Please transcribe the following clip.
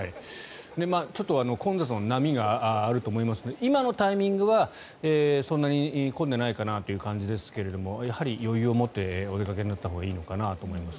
ちょっと混雑の波があると思いますが今のタイミングはそんなに混んでないかなという感じですがやはり余裕を持ってお出かけになったほうがいいのかなと思います。